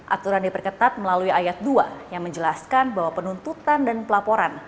aturan diperketat melalui ayat dua yang menjelaskan bahwa penuntutan dan pelaporan